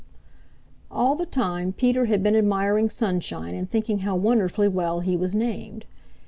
All the time Peter had been admiring Sunshine and thinking how wonderfully well he was named.